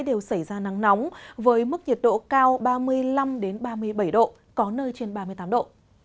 đều xảy ra nắng nóng với mức nhiệt độ cao ba mươi năm ba mươi bảy độ có nơi trên ba mươi tám độ